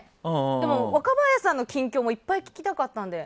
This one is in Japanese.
でも、若林さんの近況もいっぱい聞きたかったので。